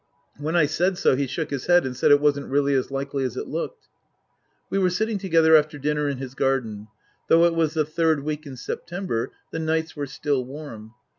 When I said so he shook his head and said it wasn't really as likely as it looked. We were sitting together after dinner in his garden. Though it was the third week in September the nights were still warm.